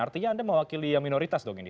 artinya anda mewakili yang minoritas dong ini